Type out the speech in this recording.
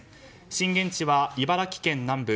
震源地は茨城県南部。